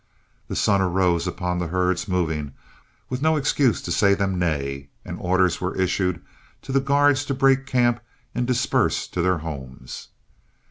The sun arose upon the herds moving, with no excuse to say them nay, and orders were issued to the guards to break camp and disperse to their homes.